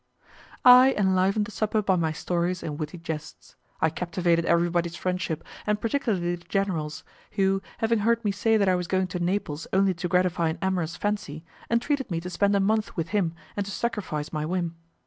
I enlivened the supper by my stories and witty jests. I captivated everybody's friendship, and particularly the general's, who, having heard me say that I was going to Naples only to gratify an amorous fancy, entreated me to spend a month with him and to sacrifice my whim.